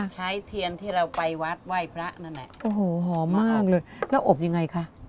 เทียนที่เราไปวัดไหว้พระนั่นแหละโอ้โหหอมมากเลยแล้วอบยังไงคะ